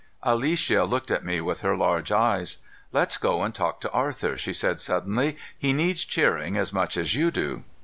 Alicia looked at me with her large eyes. "Let's go and talk to Arthur," she said suddenly. "He needs cheering as much as you do."